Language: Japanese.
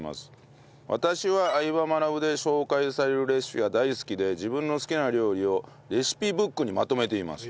私は『相葉マナブ』で紹介されるレシピが大好きで自分の好きな料理をレシピブックにまとめています。